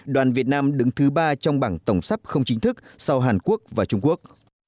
đoàn việt nam đứng thứ ba trong bảng tổng sắp không chính thức sau hàn quốc và trung quốc